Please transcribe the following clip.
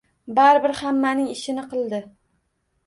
Bari bir hammaning ishini qildi